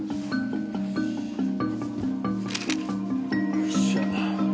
よいしょ。